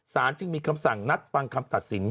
จึงมีคำสั่งนัดฟังคำตัดสิน